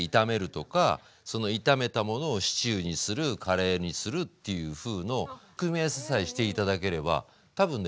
その炒めたものをシチューにするカレーにするっていうふうの組み合わせさえして頂ければ多分ね